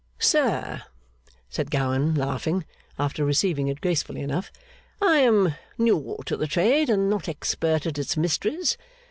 'Sir,' said Gowan, laughing, after receiving it gracefully enough, 'I am new to the trade, and not expert at its mysteries.